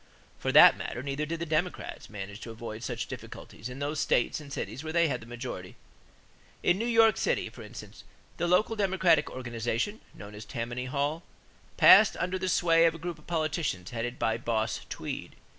For that matter neither did the Democrats manage to avoid such difficulties in those states and cities where they had the majority. In New York City, for instance, the local Democratic organization, known as Tammany Hall, passed under the sway of a group of politicians headed by "Boss" Tweed.